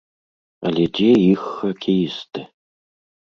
Але дзе іх хакеісты?